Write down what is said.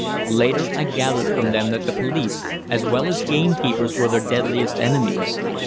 Later I gathered from them that the police, as well as gamekeepers, were their deadliest enemies.